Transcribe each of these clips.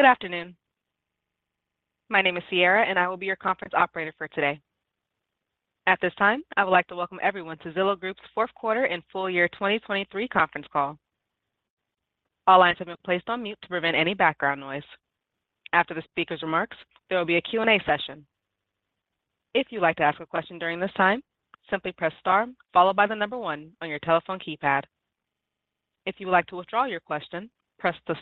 Good afternoon. My name is Sierra, and I will be your conference operator for today. At this time, I would like to welcome everyone to Zillow Group's fourth quarter and full year 2023 conference call. All lines have been placed on mute to prevent any background noise. After the speaker's remarks, there will be a Q&A session. If you'd like to ask a question during this time, simply press star, followed by the number one on your telephone keypad. If you would like to withdraw your question, press the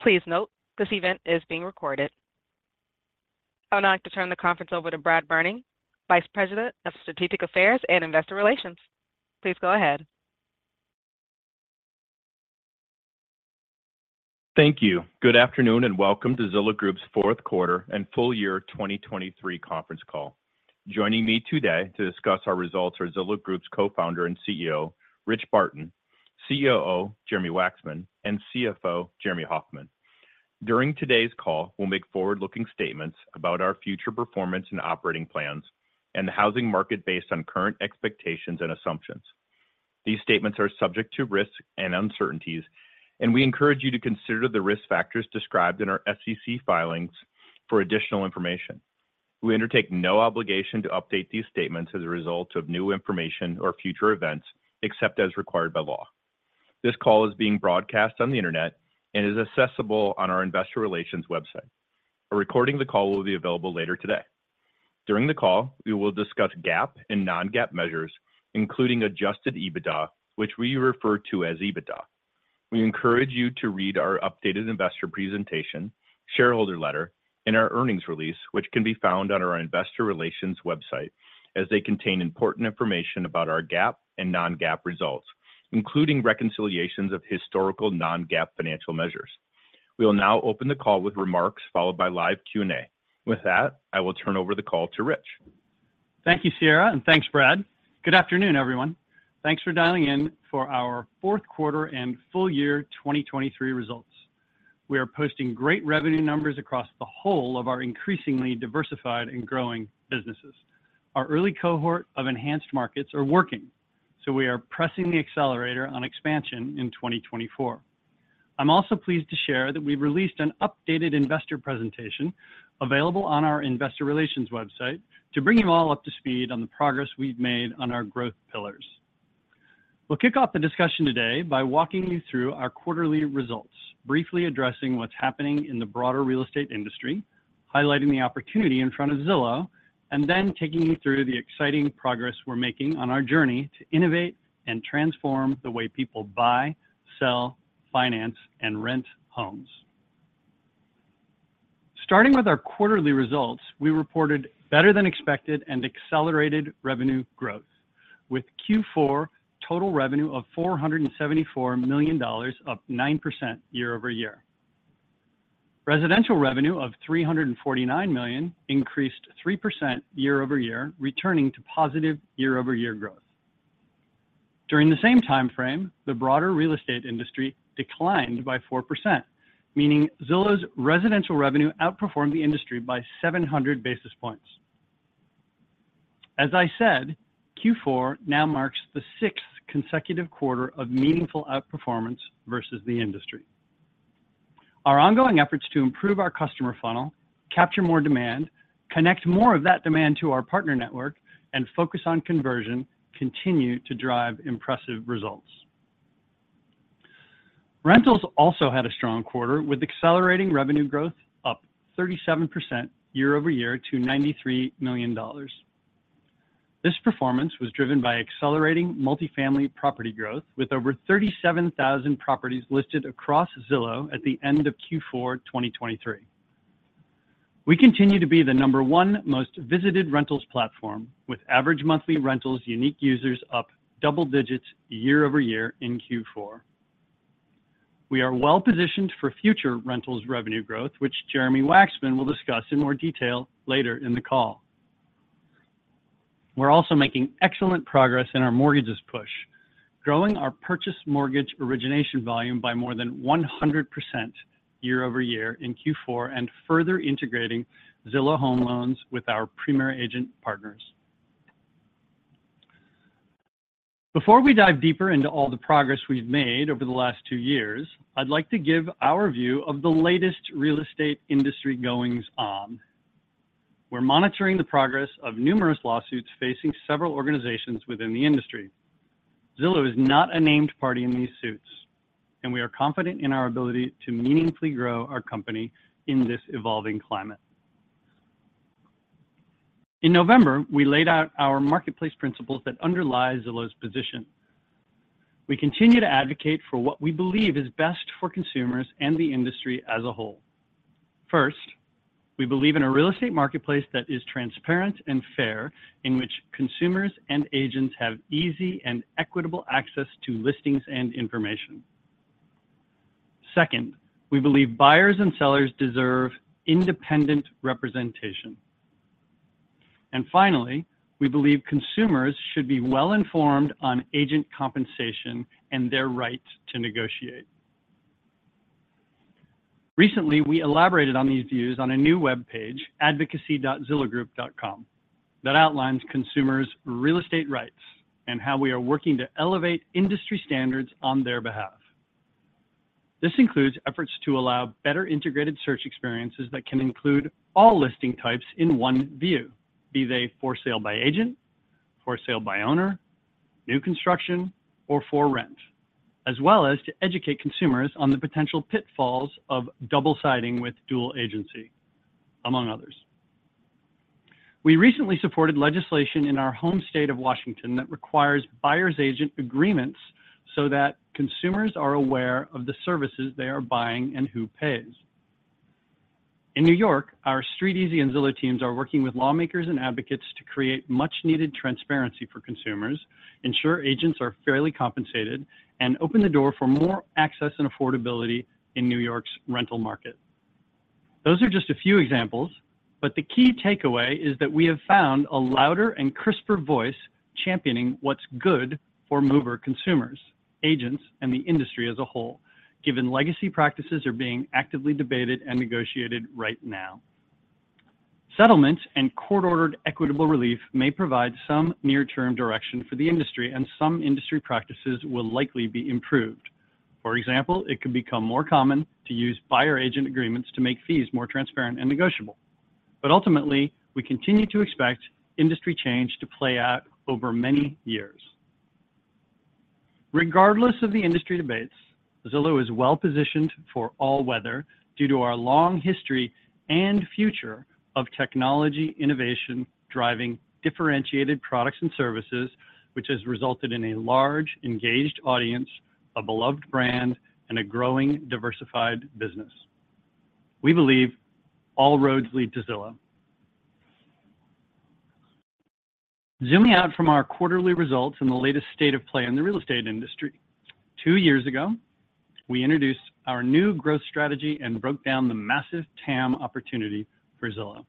star two keys. Please note, this event is being recorded. I would like to turn the conference over to Brad Berning, Vice President of Strategic Affairs and Investor Relations. Please go ahead. Thank you. Good afternoon, and welcome to Zillow Group's fourth quarter and full year 2023 conference call. Joining me today to discuss our results are Zillow Group's Co-founder and CEO, Rich Barton, COO, Jeremy Wacksman, and CFO, Jeremy Hofmann. During today's call, we'll make forward-looking statements about our future performance and operating plans and the housing market based on current expectations and assumptions. These statements are subject to risks and uncertainties, and we encourage you to consider the risk factors described in our SEC filings for additional information. We undertake no obligation to update these statements as a result of new information or future events, except as required by law. This call is being broadcast on the Internet and is accessible on our investor relations website. A recording of the call will be available later today. During the call, we will discuss GAAP and non-GAAP measures, including adjusted EBITDA, which we refer to as EBITDA. We encourage you to read our updated investor presentation, shareholder letter, and our earnings release, which can be found on our investor relations website, as they contain important information about our GAAP and non-GAAP results, including reconciliations of historical non-GAAP financial measures. We will now open the call with remarks followed by live Q&A. With that, I will turn over the call to Rich. Thank you, Sierra, and thanks, Brad. Good afternoon, everyone. Thanks for dialing in for our fourth quarter and full year 2023 results. We are posting great revenue numbers across the whole of our increasingly diversified and growing businesses. Our early cohort of Enhanced Markets are working, so we are pressing the accelerator on expansion in 2024. I'm also pleased to share that we've released an updated investor presentation available on our investor relations website to bring you all up to speed on the progress we've made on our growth pillars. We'll kick off the discussion today by walking you through our quarterly results, briefly addressing what's happening in the broader real estate industry, highlighting the opportunity in front of Zillow, and then taking you through the exciting progress we're making on our journey to innovate and transform the way people buy, sell, finance, and rent homes. Starting with our quarterly results, we reported better than expected and accelerated revenue growth, with Q4 total revenue of $474 million, up 9% year over year. Residential revenue of $349 million increased 3% year over year, returning to positive year-over-year growth. During the same time frame, the broader real estate industry declined by 4%, meaning Zillow's residential revenue outperformed the industry by 700 basis points. As I said, Q4 now marks the sixth consecutive quarter of meaningful outperformance versus the industry. Our ongoing efforts to improve our customer funnel, capture more demand, connect more of that demand to our partner network, and focus on conversion continue to drive impressive results. Rentals also had a strong quarter, with accelerating revenue growth up 37% year over year to $93 million. This performance was driven by accelerating multifamily property growth, with over 37,000 properties listed across Zillow at the end of Q4, 2023. We continue to be the number one most visited rentals platform, with average monthly rentals unique users up double digits year-over-year in Q4. We are well-positioned for future rentals revenue growth, which Jeremy Wacksman will discuss in more detail later in the call. We're also making excellent progress in our mortgages push, growing our purchase mortgage origination volume by more than 100% year-over-year in Q4, and further integrating Zillow Home Loans with our Premier Agent partners. Before we dive deeper into all the progress we've made over the last two years, I'd like to give our view of the latest real estate industry goings on. We're monitoring the progress of numerous lawsuits facing several organizations within the industry. Zillow is not a named party in these suits, and we are confident in our ability to meaningfully grow our company in this evolving climate. In November, we laid out our marketplace principles that underlie Zillow's position. We continue to advocate for what we believe is best for consumers and the industry as a whole. First, we believe in a real estate marketplace that is transparent and fair, in which consumers and agents have easy and equitable access to listings and information. Second, we believe buyers and sellers deserve independent representation. And finally, we believe consumers should be well-informed on agent compensation and their right to negotiate. Recently, we elaborated on these views on a new webpage, advocacy.zillowgroup.com... that outlines consumers' real estate rights and how we are working to elevate industry standards on their behalf. This includes efforts to allow better integrated search experiences that can include all listing types in one view, be they for sale by agent, for sale by owner, new construction, or for rent, as well as to educate consumers on the potential pitfalls of double-siding with dual agency, among others. We recently supported legislation in our home state of Washington that requires buyer's agent agreements so that consumers are aware of the services they are buying and who pays. In New York, our StreetEasy and Zillow teams are working with lawmakers and advocates to create much-needed transparency for consumers, ensure agents are fairly compensated, and open the door for more access and affordability in New York's rental market. Those are just a few examples, but the key takeaway is that we have found a louder and crisper voice championing what's good for mover consumers, agents, and the industry as a whole, given legacy practices are being actively debated and negotiated right now. Settlements and court-ordered equitable relief may provide some near-term direction for the industry, and some industry practices will likely be improved. For example, it could become more common to use buyer agent agreements to make fees more transparent and negotiable. But ultimately, we continue to expect industry change to play out over many years. Regardless of the industry debates, Zillow is well positioned for all weather due to our long history and future of technology innovation, driving differentiated products and services, which has resulted in a large, engaged audience, a beloved brand, and a growing, diversified business. We believe all roads lead to Zillow. Zooming out from our quarterly results and the latest state of play in the real estate industry. Two years ago, we introduced our new growth strategy and broke down the massive TAM opportunity for Zillow.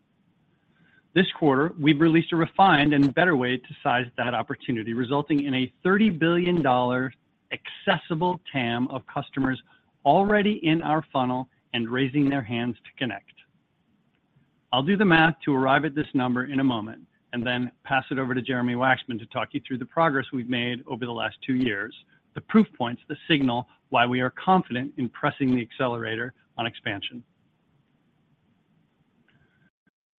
This quarter, we've released a refined and better way to size that opportunity, resulting in a $30 billion accessible TAM of customers already in our funnel and raising their hands to connect. I'll do the math to arrive at this number in a moment, and then pass it over to Jeremy Wacksman to talk you through the progress we've made over the last two years, the proof points, the signal, why we are confident in pressing the accelerator on expansion.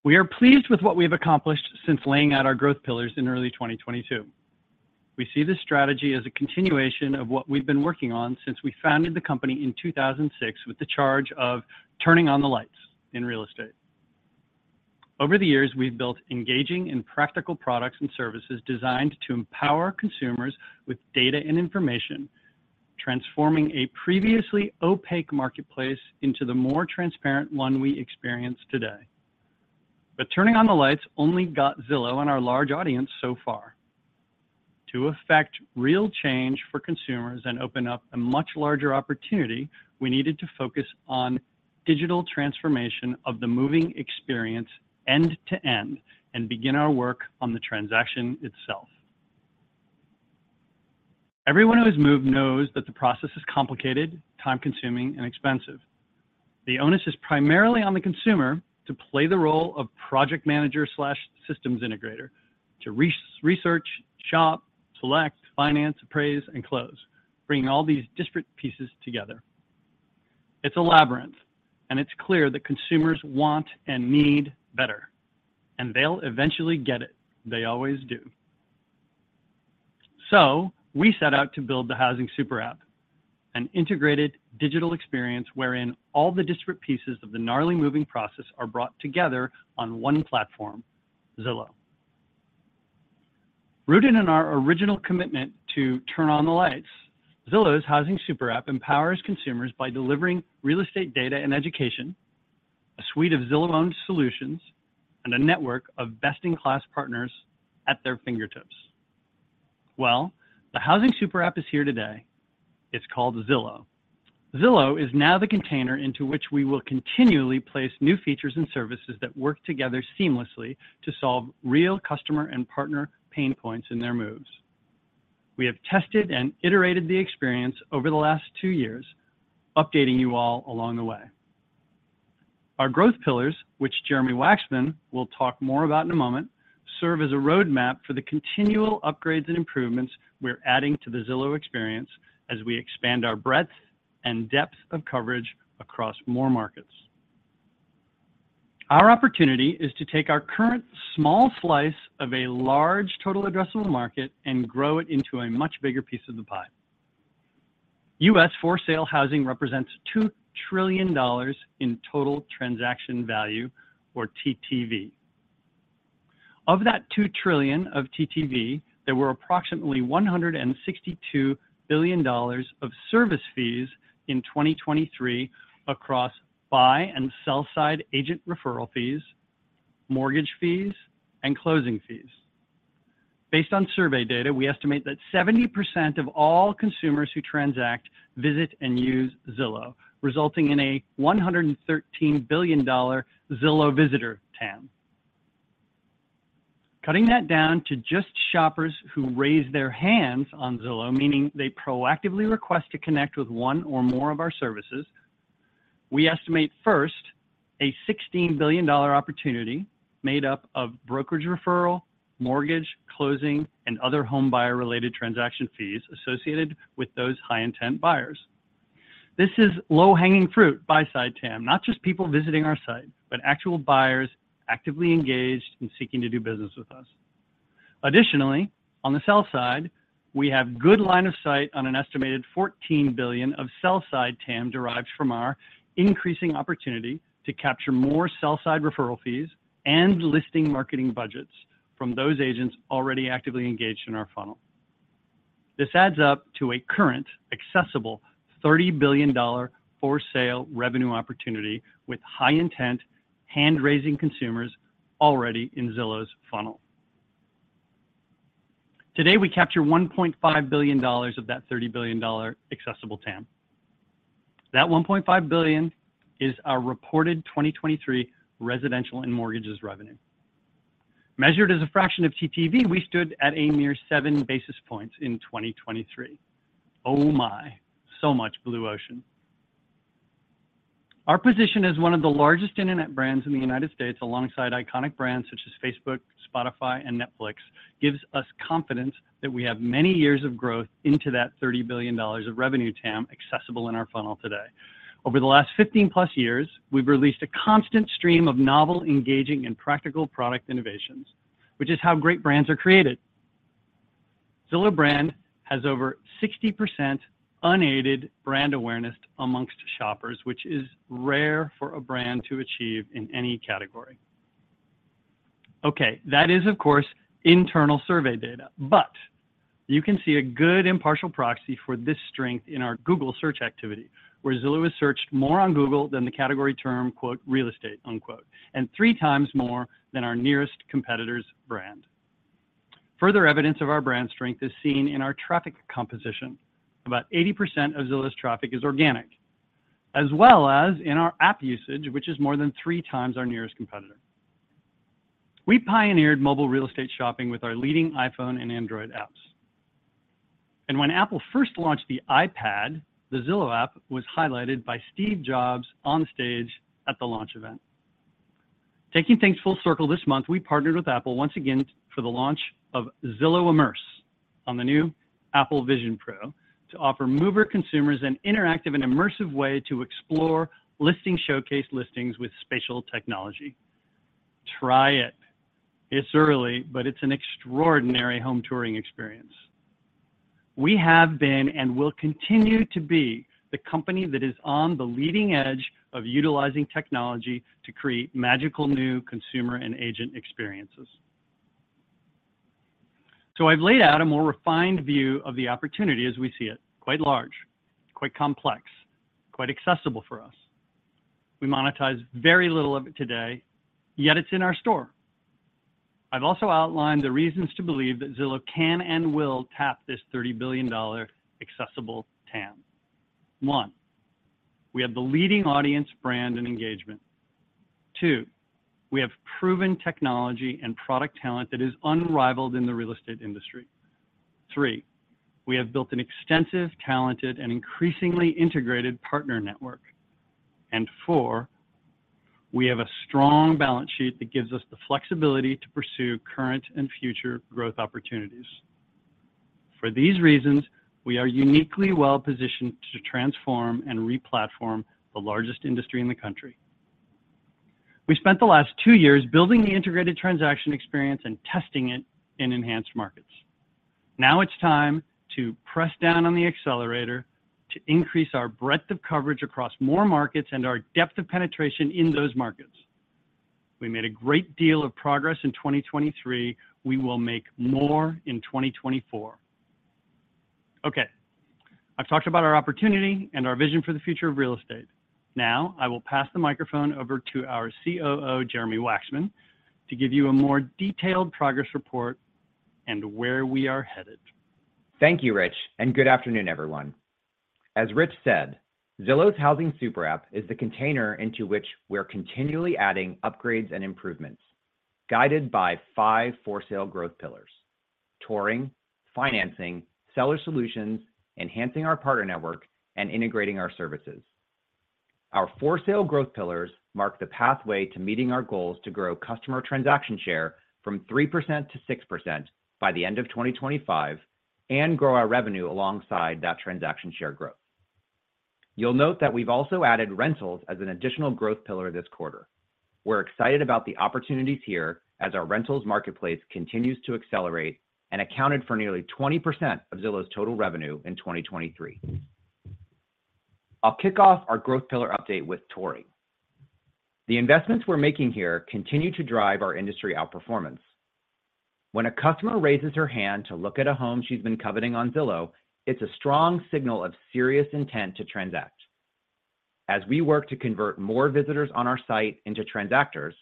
We are pleased with what we've accomplished since laying out our growth pillars in early 2022. We see this strategy as a continuation of what we've been working on since we founded the company in 2006 with the charge of turning on the lights in real estate. Over the years, we've built engaging and practical products and services designed to empower consumers with data and information, transforming a previously opaque marketplace into the more transparent one we experience today. But turning on the lights only got Zillow and our large audience so far. To effect real change for consumers and open up a much larger opportunity, we needed to focus on digital transformation of the moving experience end-to-end, and begin our work on the transaction itself. Everyone who has moved knows that the process is complicated, time-consuming, and expensive. The onus is primarily on the consumer to play the role of project manager/systems integrator, to research, shop, select, finance, appraise, and close, bringing all these disparate pieces together. It's a labyrinth, and it's clear that consumers want and need better, and they'll eventually get it. They always do. So we set out to build the Housing Super App, an integrated digital experience wherein all the disparate pieces of the gnarly moving process are brought together on one platform, Zillow. Rooted in our original commitment to turn on the lights, Zillow's Housing Super App empowers consumers by delivering real estate data and education, a suite of Zillow-owned solutions, and a network of best-in-class partners at their fingertips. Well, the Housing Super App is here today. It's called Zillow. Zillow is now the container into which we will continually place new features and services that work together seamlessly to solve real customer and partner pain points in their moves. We have tested and iterated the experience over the last two years, updating you all along the way. Our growth pillars, which Jeremy Wacksman will talk more about in a moment, serve as a roadmap for the continual upgrades and improvements we're adding to the Zillow experience as we expand our breadth and depth of coverage across more markets. Our opportunity is to take our current small slice of a large total addressable market and grow it into a much bigger piece of the pie. U.S. for-sale housing represents $2 trillion in total transaction value, or TTV. Of that 2 trillion of TTV, there were approximately $162 billion of service fees in 2023 across buy and sell side agent referral fees, mortgage fees, and closing fees. Based on survey data, we estimate that 70% of all consumers who transact, visit, and use Zillow, resulting in a $113 billion Zillow visitor TAM. Cutting that down to just shoppers who raise their hands on Zillow, meaning they proactively request to connect with one or more of our services... We estimate first, a $16 billion opportunity made up of brokerage referral, mortgage, closing, and other home buyer-related transaction fees associated with those high-intent buyers. This is low-hanging fruit, buy-side TAM, not just people visiting our site, but actual buyers actively engaged and seeking to do business with us. Additionally, on the sell side, we have good line of sight on an estimated $14 billion of sell-side TAM derived from our increasing opportunity to capture more sell-side referral fees and listing marketing budgets from those agents already actively engaged in our funnel. This adds up to a current accessible $30 billion for sale revenue opportunity with high intent, hand-raising consumers already in Zillow's funnel. Today, we capture $1.5 billion of that $30 billion accessible TAM. That $1.5 billion is our reported 2023 residential and mortgages revenue. Measured as a fraction of TTV, we stood at a mere 7 basis points in 2023. Oh my, so much blue ocean! Our position as one of the largest internet brands in the United States, alongside iconic brands such as Facebook, Spotify, and Netflix, gives us confidence that we have many years of growth into that $30 billion of revenue TAM accessible in our funnel today. Over the last 15+ years, we've released a constant stream of novel, engaging, and practical product innovations, which is how great brands are created. Zillow brand has over 60% unaided brand awareness among shoppers, which is rare for a brand to achieve in any category. Okay, that is, of course, internal survey data, but you can see a good impartial proxy for this strength in our Google Search activity, where Zillow is searched more on Google than the category term, "real estate," and three times more than our nearest competitor's brand. Further evidence of our brand strength is seen in our traffic composition. About 80% of Zillow's traffic is organic, as well as in our app usage, which is more than times our nearest competitor. We pioneered mobile real estate shopping with our leading iPhone and Android apps. When Apple first launched the iPad, the Zillow app was highlighted by Steve Jobs on stage at the launch event. Taking things full circle this month, we partnered with Apple once again for the launch of Zillow Immerse on the new Apple Vision Pro to offer mover consumers an interactive and immersive way to explore listing, showcase listings with spatial technology. Try it. It's early, but it's an extraordinary home touring experience. We have been, and will continue to be, the company that is on the leading edge of utilizing technology to create magical new consumer and agent experiences. So I've laid out a more refined view of the opportunity as we see it, quite large, quite complex, quite accessible for us. We monetize very little of it today, yet it's in our store. I've also outlined the reasons to believe that Zillow can and will tap this $30 billion accessible TAM. One, we have the leading audience, brand, and engagement. Two, we have proven technology and product talent that is unrivaled in the real estate industry. Three, we have built an extensive, talented, and increasingly integrated partner network. And four, we have a strong balance sheet that gives us the flexibility to pursue current and future growth opportunities. For these reasons, we are uniquely well-positioned to transform and re-platform the largest industry in the country. We spent the last two years building the integrated transaction experience and testing it in enhanced markets. Now it's time to press down on the accelerator to increase our breadth of coverage across more markets and our depth of penetration in those markets. We made a great deal of progress in 2023. We will make more in 2024. Okay, I've talked about our opportunity and our vision for the future of real estate. Now, I will pass the microphone over to our COO, Jeremy Wacksman, to give you a more detailed progress report and where we are headed. Thank you, Rich, and good afternoon, everyone. As Rich said, Zillow's Housing Super App is the container into which we're continually adding upgrades and improvements, guided by five for-sale growth pillars: touring, financing, seller solutions, enhancing our partner network, and integrating our services. Our for-sale growth pillars mark the pathway to meeting our goals to grow customer transaction share from 3%-6% by the end of 2025 and grow our revenue alongside that transaction share growth. You'll note that we've also added rentals as an additional growth pillar this quarter. We're excited about the opportunities here as our rentals marketplace continues to accelerate and accounted for nearly 20% of Zillow's total revenue in 2023. I'll kick off our growth pillar update with touring. The investments we're making here continue to drive our industry outperformance. When a customer raises her hand to look at a home she's been coveting on Zillow, it's a strong signal of serious intent to transact. As we work to convert more visitors on our site into transactors,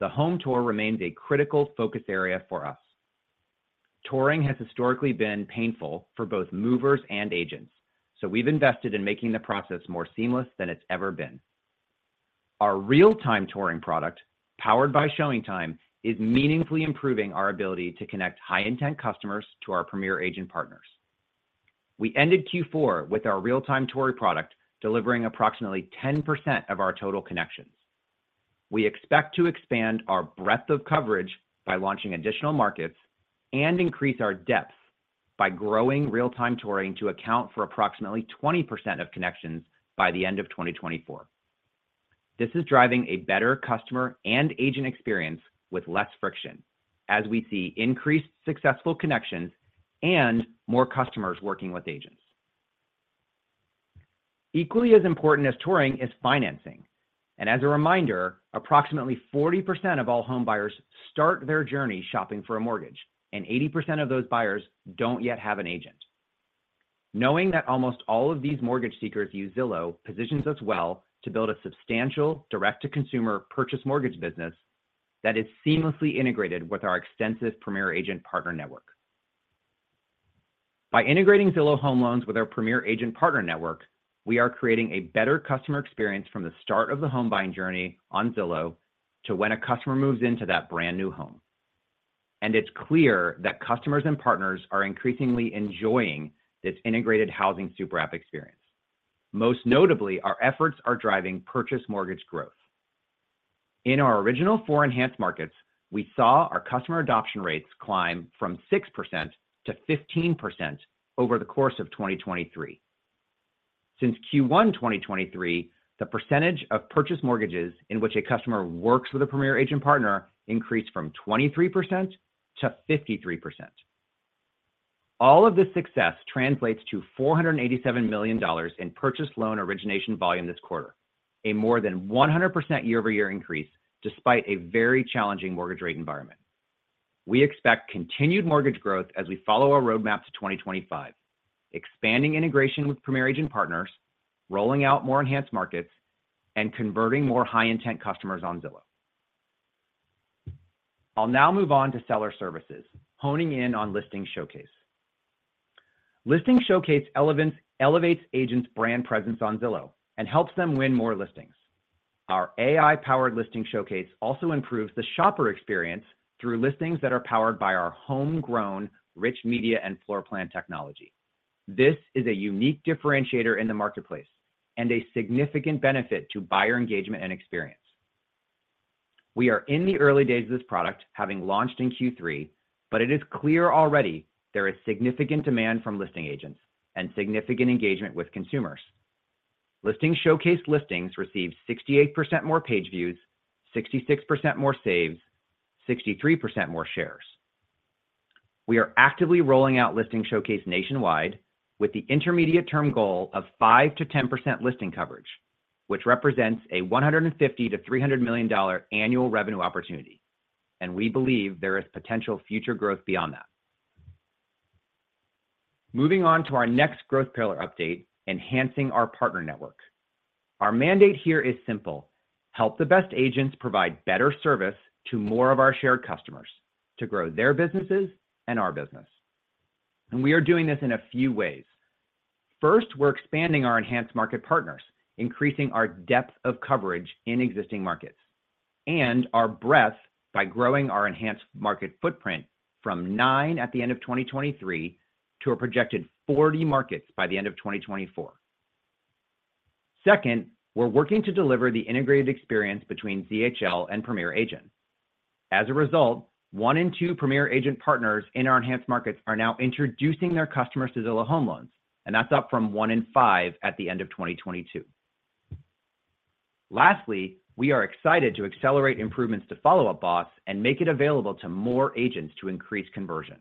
the home tour remains a critical focus area for us. Touring has historically been painful for both movers and agents, so we've invested in making the process more seamless than it's ever been.... Our Real-Time Touring product, powered by ShowingTime, is meaningfully improving our ability to connect high-intent customers to our Premier Agent partners. We ended Q4 with our Real-Time Touring product, delivering approximately 10% of our total connections. We expect to expand our breadth of coverage by launching additional markets and increase our depth by growing Real-Time Touring to account for approximately 20% of connections by the end of 2024. This is driving a better customer and agent experience with less friction, as we see increased successful connections and more customers working with agents. Equally as important as touring is financing, and as a reminder, approximately 40% of all home buyers start their journey shopping for a mortgage, and 80% of those buyers don't yet have an agent. Knowing that almost all of these mortgage seekers use Zillow, positions us well to build a substantial direct-to-consumer purchase mortgage business that is seamlessly integrated with our extensive Premier Agent partner network. By integrating Zillow Home Loans with our Premier Agent partner network, we are creating a better customer experience from the start of the home buying journey on Zillow, to when a customer moves into that brand-new home. It's clear that customers and partners are increasingly enjoying this integrated Housing Super App experience. Most notably, our efforts are driving purchase mortgage growth. In our original four enhanced markets, we saw our customer adoption rates climb from 6%-15% over the course of 2023. Since Q1 2023, the percentage of purchase mortgages in which a customer works with a Premier Agent partner increased from 23%-53%. All of this success translates to $487 million in purchase loan origination volume this quarter, a more than 100% year-over-year increase, despite a very challenging mortgage rate environment. We expect continued mortgage growth as we follow our roadmap to 2025, expanding integration with Premier Agent partners, rolling out more enhanced markets, and converting more high-intent customers on Zillow. I'll now move on to seller services, honing in on Listing Showcase. Listing Showcase elevates agents' brand presence on Zillow and helps them win more listings. Our AI-powered Listing Showcase also improves the shopper experience through listings that are powered by our homegrown rich media and floor plan technology. This is a unique differentiator in the marketplace and a significant benefit to buyer engagement and experience. We are in the early days of this product, having launched in Q3, but it is clear already there is significant demand from listing agents and significant engagement with consumers. Listing Showcase listings received 68% more page views, 66% more saves, 63% more shares. We are actively rolling out Listing Showcase nationwide with the intermediate-term goal of 5%-10% listing coverage, which represents a $150 million-$300 million annual revenue opportunity, and we believe there is potential future growth beyond that. Moving on to our next growth pillar update, enhancing our partner network. Our mandate here is simple: help the best agents provide better service to more of our shared customers, to grow their businesses and our business. We are doing this in a few ways. First, we're expanding our Enhanced Market partners, increasing our depth of coverage in existing markets, and our breadth by growing our Enhanced Market footprint from nine at the end of 2023 to a projected 40 markets by the end of 2024. Second, we're working to deliver the integrated experience between ZHL and Premier Agent. As a result, one in two Premier Agent partners in our Enhanced Markets are now introducing their customers to Zillow Home Loans, and that's up from one in five at the end of 2022. Lastly, we are excited to accelerate improvements to Follow Up Boss and make it available to more agents to increase conversion.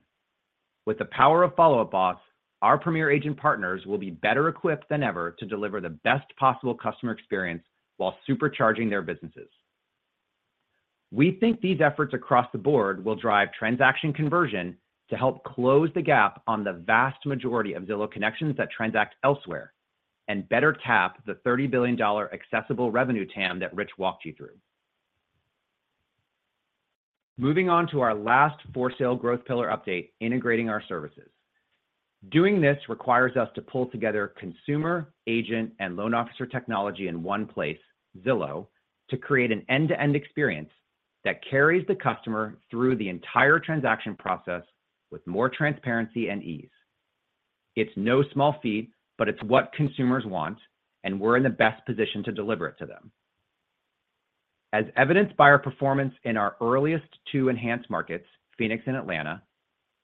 With the power of Follow Up Boss, our Premier Agent partners will be better equipped than ever to deliver the best possible customer experience while supercharging their businesses. We think these efforts across the board will drive transaction conversion to help close the gap on the vast majority of Zillow connections that transact elsewhere, and better cap the $30 billion accessible revenue TAM that Rich walked you through. Moving on to our last for-sale growth pillar update, integrating our services. Doing this requires us to pull together consumer, agent, and loan officer technology in one place, Zillow, to create an end-to-end experience that carries the customer through the entire transaction process with more transparency and ease. It's no small feat, but it's what consumers want, and we're in the best position to deliver it to them. As evidenced by our performance in our earliest two enhanced markets, Phoenix and Atlanta,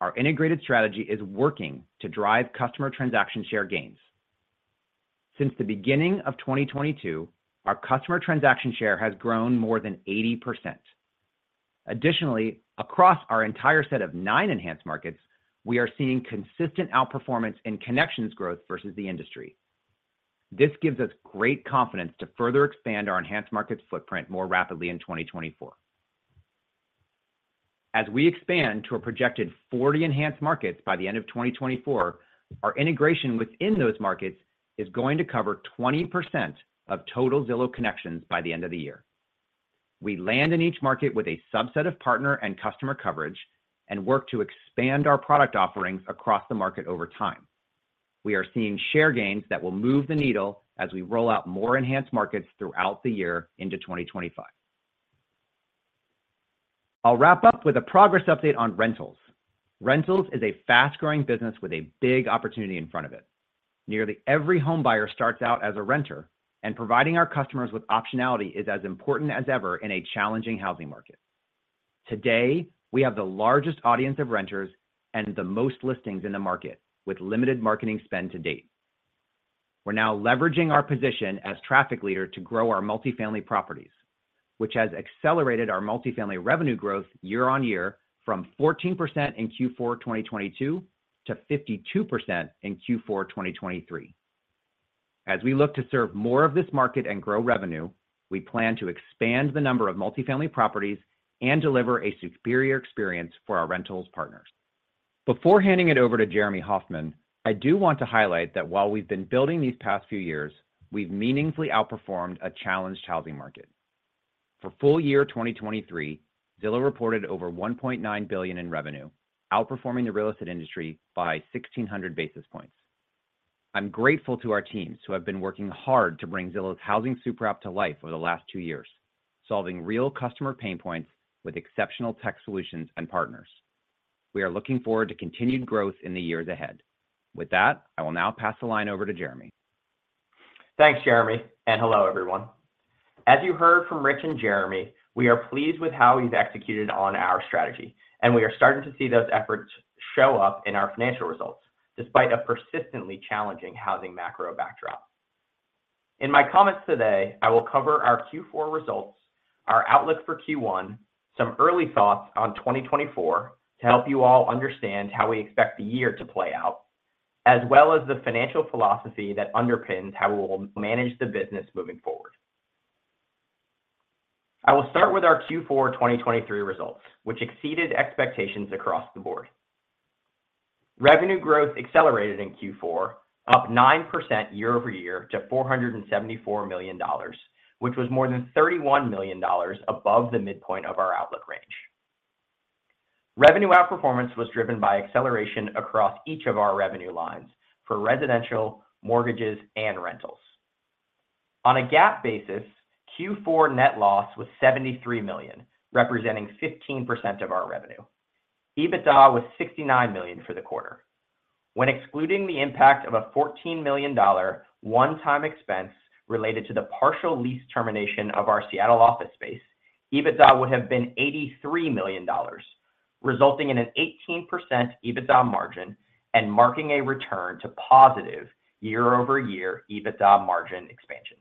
our integrated strategy is working to drive customer transaction share gains. Since the beginning of 2022, our customer transaction share has grown more than 80%. Additionally, across our entire set of nine enhanced markets, we are seeing consistent outperformance in connections growth versus the industry. This gives us great confidence to further expand our enhanced markets footprint more rapidly in 2024. As we expand to a projected 40 enhanced markets by the end of 2024, our integration within those markets is going to cover 20% of total Zillow connections by the end of the year.... We land in each market with a subset of partner and customer coverage and work to expand our product offerings across the market over time. We are seeing share gains that will move the needle as we roll out more Enhanced Markets throughout the year into 2025. I'll wrap up with a progress update on rentals. Rentals is a fast-growing business with a big opportunity in front of it. Nearly every home buyer starts out as a renter, and providing our customers with optionality is as important as ever in a challenging housing market. Today, we have the largest audience of renters and the most listings in the market, with limited marketing spend to date. We're now leveraging our position as traffic leader to grow our multifamily properties, which has accelerated our multifamily revenue growth year-on-year from 14% in Q4 2022 to 52% in Q4 2023. As we look to serve more of this market and grow revenue, we plan to expand the number of multifamily properties and deliver a superior experience for our rental partners. Before handing it over to Jeremy Hofmann, I do want to highlight that while we've been building these past few years, we've meaningfully outperformed a challenged housing market. For full year 2023, Zillow reported over $1.9 billion in revenue, outperforming the real estate industry by 1,600 basis points. I'm grateful to our teams who have been working hard to bring Zillow's Housing Super App to life over the last two years, solving real customer pain points with exceptional tech solutions and partners. We are looking forward to continued growth in the years ahead. With that, I will now pass the line over to Jeremy. Thanks, Jeremy, and hello, everyone. As you heard from Rich and Jeremy, we are pleased with how we've executed on our strategy, and we are starting to see those efforts show up in our financial results, despite a persistently challenging housing macro backdrop. In my comments today, I will cover our Q4 results, our outlook for Q1, some early thoughts on 2024 to help you all understand how we expect the year to play out, as well as the financial philosophy that underpins how we will manage the business moving forward. I will start with our Q4 2023 results, which exceeded expectations across the board. Revenue growth accelerated in Q4, up 9% year-over-year to $474 million, which was more than $31 million above the midpoint of our outlook range. Revenue outperformance was driven by acceleration across each of our revenue lines for residential, mortgages, and rentals. On a GAAP basis, Q4 net loss was $73 million, representing 15% of our revenue. EBITDA was $69 million for the quarter. When excluding the impact of a $14 million one-time expense related to the partial lease termination of our Seattle office space, EBITDA would have been $83 million, resulting in an 18% EBITDA margin and marking a return to positive year-over-year EBITDA margin expansion.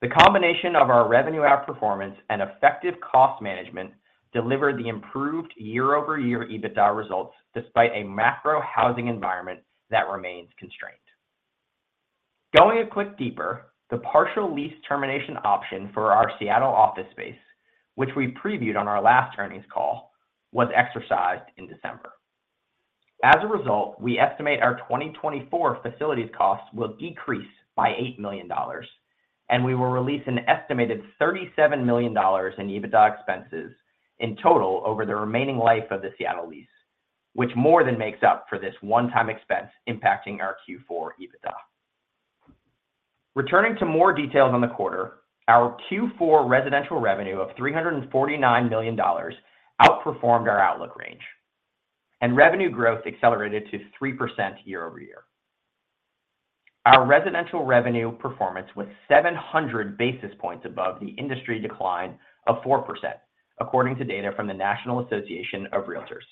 The combination of our revenue outperformance and effective cost management delivered the improved year-over-year EBITDA results, despite a macro housing environment that remains constrained. Going a little deeper, the partial lease termination option for our Seattle office space, which we previewed on our last earnings call, was exercised in December. As a result, we estimate our 2024 facilities costs will decrease by $8 million, and we will release an estimated $37 million in EBITDA expenses in total over the remaining life of the Seattle lease, which more than makes up for this one-time expense impacting our Q4 EBITDA. Returning to more details on the quarter, our Q4 residential revenue of $349 million outperformed our outlook range, and revenue growth accelerated to 3% year-over-year. Our residential revenue performance was 700 basis points above the industry decline of 4%, according to data from the National Association of Realtors.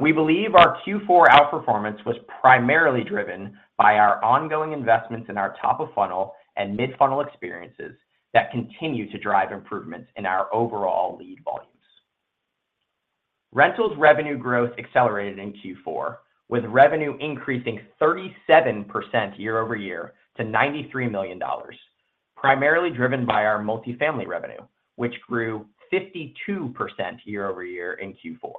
We believe our Q4 outperformance was primarily driven by our ongoing investments in our top-of-funnel and mid-funnel experiences that continue to drive improvements in our overall lead volumes. Rentals revenue growth accelerated in Q4, with revenue increasing 37% year over year to $93 million, primarily driven by our multifamily revenue, which grew 52% year over year in Q4.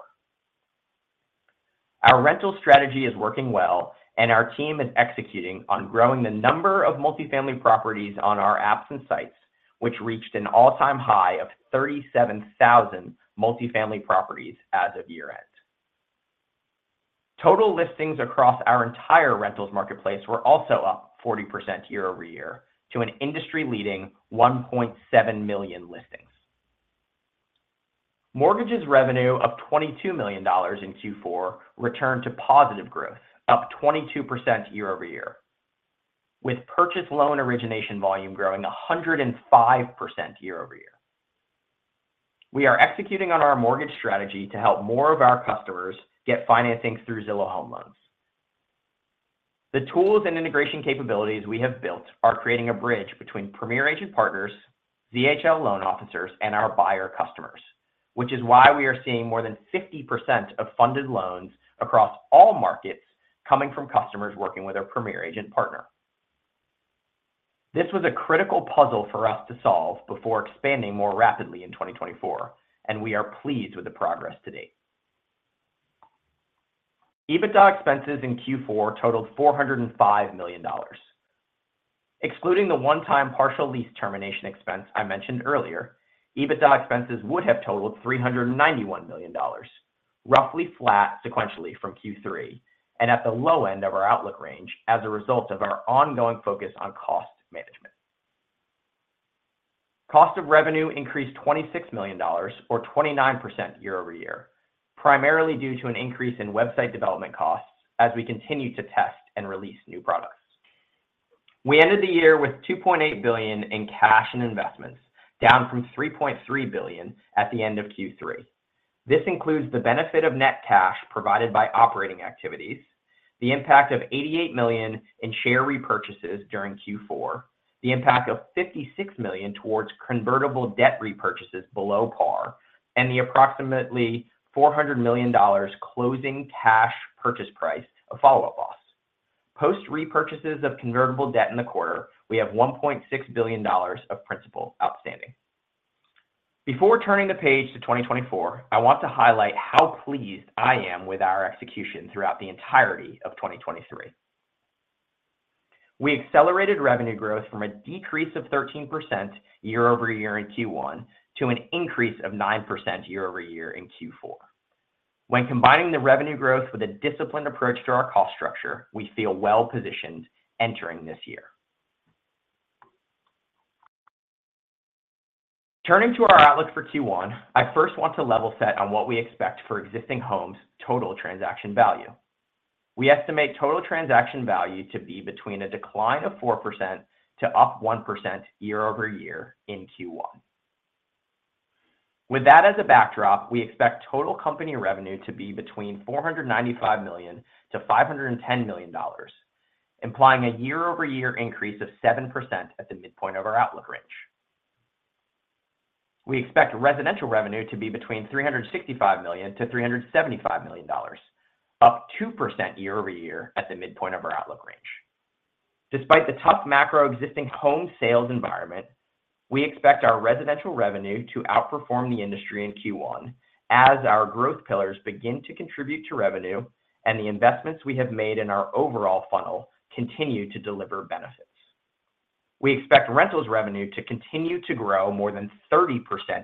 Our rental strategy is working well, and our team is executing on growing the number of multifamily properties on our apps and sites, which reached an all-time high of 37,000 multifamily properties as of year-end. Total listings across our entire rentals marketplace were also up 40% year over year to an industry-leading 1.7 million listings. Mortgages revenue of $22 million in Q4 returned to positive growth, up 22% year over year, with purchase loan origination volume growing 105% year over year. We are executing on our mortgage strategy to help more of our customers get financing through Zillow Home Loans. The tools and integration capabilities we have built are creating a bridge between Premier Agent partners, ZHL loan officers, and our buyer customers, which is why we are seeing more than 50% of funded loans across all markets coming from customers working with our Premier Agent partner. This was a critical puzzle for us to solve before expanding more rapidly in 2024, and we are pleased with the progress to date. EBITDA expenses in Q4 totaled $405 million. Excluding the one-time partial lease termination expense I mentioned earlier, EBITDA expenses would have totaled $391 million, roughly flat sequentially from Q3, and at the low end of our outlook range as a result of our ongoing focus on cost management. Cost of revenue increased $26 million or 29% year-over-year, primarily due to an increase in website development costs as we continue to test and release new products. We ended the year with $2.8 billion in cash and investments, down from $3.3 billion at the end of Q3. This includes the benefit of net cash provided by operating activities, the impact of $88 million in share repurchases during Q4, the impact of $56 million towards convertible debt repurchases below par, and the approximately $400 million closing cash purchase price of Follow Up Boss. Post repurchases of convertible debt in the quarter, we have $1.6 billion of principal outstanding. Before turning the page to 2024, I want to highlight how pleased I am with our execution throughout the entirety of 2023. We accelerated revenue growth from a decrease of 13% year-over-year in Q1 to an increase of 9% year-over-year in Q4. When combining the revenue growth with a disciplined approach to our cost structure, we feel well positioned entering this year. Turning to our outlook for Q1, I first want to level set on what we expect for existing homes' total transaction value. We estimate total transaction value to be between a decline of 4% to up 1% year-over-year in Q1. With that as a backdrop, we expect total company revenue to be between $495 million and $510 million, implying a year-over-year increase of 7% at the midpoint of our outlook range. We expect residential revenue to be between $365 million-$375 million, up 2% year-over-year at the midpoint of our outlook range. Despite the tough macro existing home sales environment, we expect our residential revenue to outperform the industry in Q1 as our growth pillars begin to contribute to revenue and the investments we have made in our overall funnel continue to deliver benefits. We expect rentals revenue to continue to grow more than 30%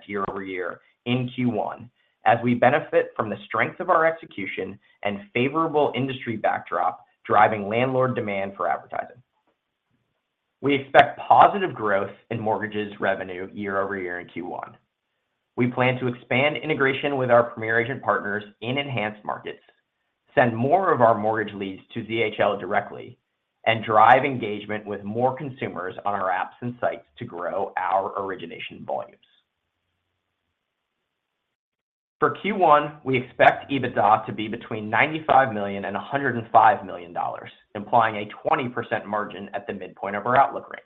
year-over-year in Q1 as we benefit from the strength of our execution and favorable industry backdrop, driving landlord demand for advertising. We expect positive growth in mortgages revenue year-over-year in Q1. We plan to expand integration with our Premier Agent partners in enhanced markets, send more of our mortgage leads to ZHL directly, and drive engagement with more consumers on our apps and sites to grow our origination volumes. For Q1, we expect EBITDA to be between $95 million and $105 million, implying a 20% margin at the midpoint of our outlook range.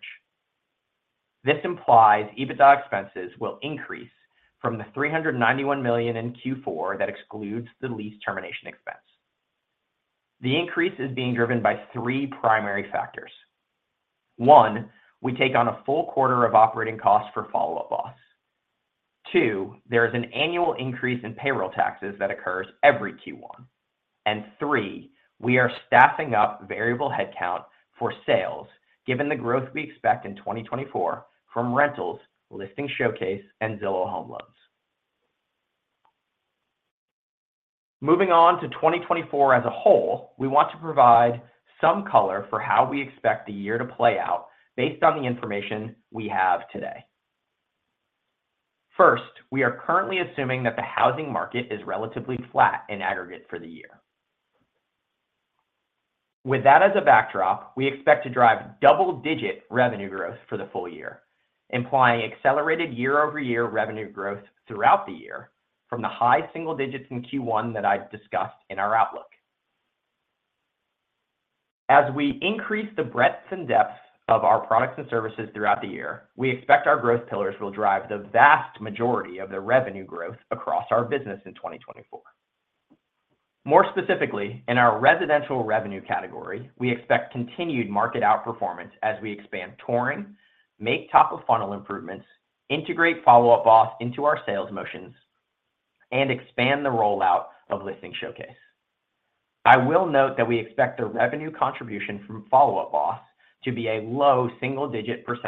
This implies EBITDA expenses will increase from the $391 million in Q4 that excludes the lease termination expense. The increase is being driven by three primary factors. One, we take on a full quarter of operating costs for Follow Up Boss. Two, there is an annual increase in payroll taxes that occurs every Q1. And three, we are staffing up variable headcount for sales, given the growth we expect in 2024 from rentals, Listing Showcase, and Zillow Home Loans. Moving on to 2024 as a whole, we want to provide some color for how we expect the year to play out based on the information we have today. First, we are currently assuming that the housing market is relatively flat in aggregate for the year. With that as a backdrop, we expect to drive double-digit revenue growth for the full year, implying accelerated year-over-year revenue growth throughout the year from the high single digits in Q1 that I've discussed in our outlook. As we increase the breadth and depth of our products and services throughout the year, we expect our growth pillars will drive the vast majority of the revenue growth across our business in 2024. More specifically, in our residential revenue category, we expect continued market outperformance as we expand touring, make top-of-funnel improvements, integrate Follow Up Boss into our sales motions, and expand the rollout of Listing Showcase. I will note that we expect the revenue contribution from Follow Up Boss to be a low single-digit %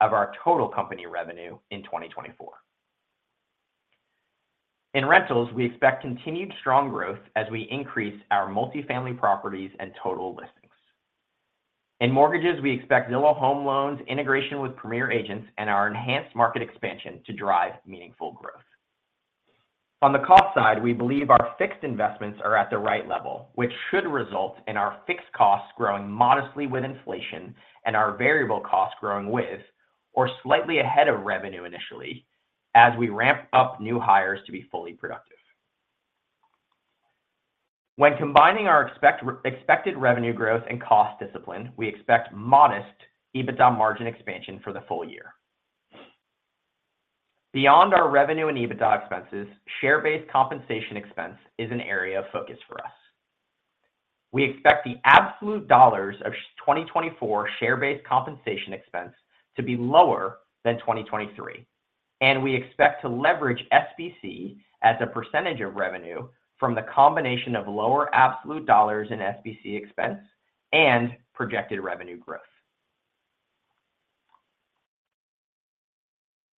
of our total company revenue in 2024. In rentals, we expect continued strong growth as we increase our multifamily properties and total listings. In mortgages, we expect Zillow Home Loans, integration with Premier Agents, and our enhanced market expansion to drive meaningful growth. On the cost side, we believe our fixed investments are at the right level, which should result in our fixed costs growing modestly with inflation and our variable costs growing with or slightly ahead of revenue initially, as we ramp up new hires to be fully productive. When combining our expected revenue growth and cost discipline, we expect modest EBITDA margin expansion for the full year. Beyond our revenue and EBITDA expenses, share-based compensation expense is an area of focus for us. We expect the absolute dollars of 2024 share-based compensation expense to be lower than 2023. We expect to leverage SBC as a percentage of revenue from the combination of lower absolute dollars in SBC expense and projected revenue growth.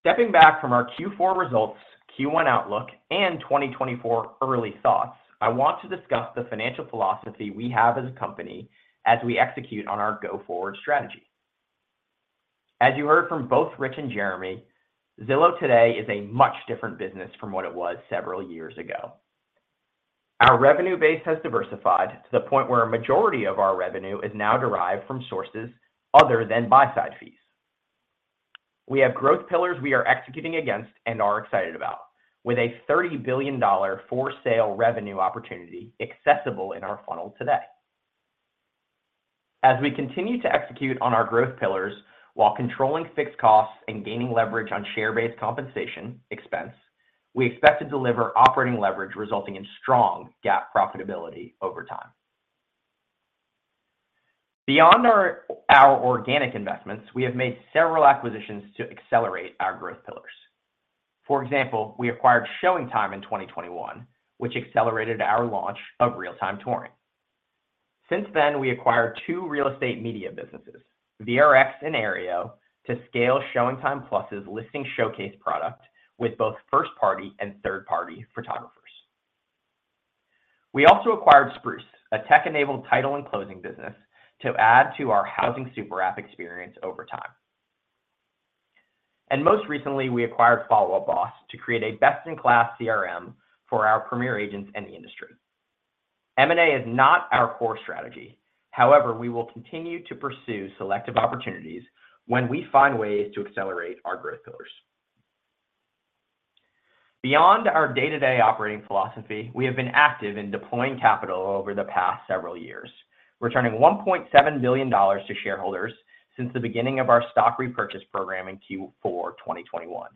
Stepping back from our Q4 results, Q1 outlook, and 2024 early thoughts, I want to discuss the financial philosophy we have as a company as we execute on our go-forward strategy. As you heard from both Rich and Jeremy, Zillow today is a much different business from what it was several years ago. Our revenue base has diversified to the point where a majority of our revenue is now derived from sources other than buy-side fees. We have growth pillars we are executing against and are excited about, with a $30 billion for-sale revenue opportunity accessible in our funnel today. As we continue to execute on our growth pillars while controlling fixed costs and gaining leverage on share-based compensation expense, we expect to deliver operating leverage, resulting in strong GAAP profitability over time. Beyond our organic investments, we have made several acquisitions to accelerate our growth pillars. For example, we acquired ShowingTime in 2021, which accelerated our launch of Real-Time Touring. Since then, we acquired two real estate media businesses, VRX and Aryeo, to scale ShowingTime Plus's Listing Showcase product with both first-party and third-party photographers. We also acquired Spruce, a tech-enabled title and closing business, to add to our Housing Super App experience over time. Most recently, we acquired Follow Up Boss to create a best-in-class CRM for our Premier agents in the industry. M&A is not our core strategy. However, we will continue to pursue selective opportunities when we find ways to accelerate our growth pillars. Beyond our day-to-day operating philosophy, we have been active in deploying capital over the past several years, returning $1.7 billion to shareholders since the beginning of our stock repurchase program in Q4 2021,